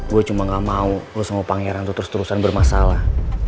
gue cuma gak mau lo sama pangeran tuh terus terusan bermasalah